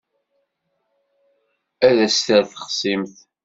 Ad as-d-terr texṣimt.